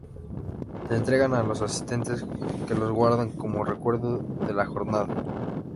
Se entregan a los asistentes que los guardan como recuerdo de la jornada.